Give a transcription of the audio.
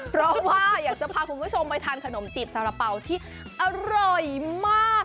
เพราะว่าอยากจะพาคุณผู้ชมไปทานขนมจีบสารเป๋าที่อร่อยมาก